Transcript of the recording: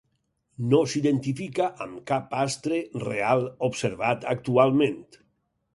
No s'identifica amb cap astre real observat actualment.